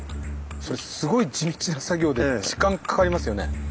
それすごい地道な作業で時間かかりますよね？